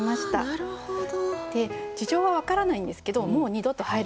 なるほど。